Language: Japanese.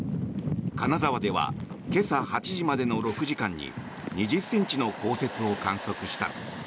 金沢では今朝８時までの６時間に２０ｃｍの降雪を観測した。